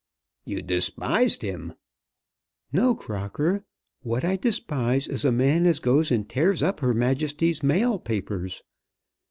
"You despised him." "No, Crocker. What I despise is a man as goes and tears up Her Majesty's Mail papers.